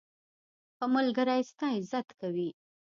ښه ملګری ستا عزت کوي.